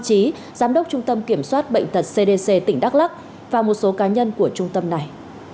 trí giám đốc trung tâm kiểm soát bệnh tật cdc tỉnh đắk lắc và một số cá nhân của trung tâm này